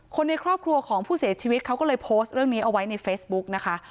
ในครอบครัวของผู้เสียชีวิตเขาก็เลยโพสต์เรื่องนี้เอาไว้ในเฟซบุ๊กนะคะ